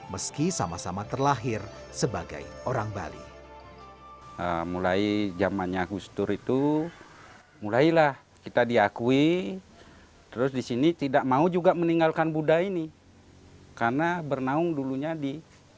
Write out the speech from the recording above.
meski sama sama terlahir sebagai orang bali